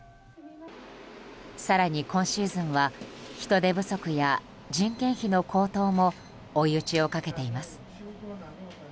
更に今シーズンは人手不足や人件費の高騰も追い打ちをかけています。